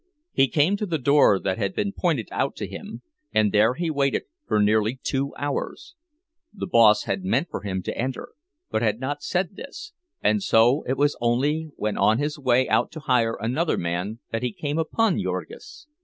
He came to the door that had been pointed out to him, and there he waited for nearly two hours. The boss had meant for him to enter, but had not said this, and so it was only when on his way out to hire another man that he came upon Jurgis.